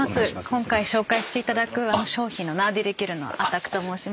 今回紹介していただく商品のナーディル・ギュルのアタクと申します。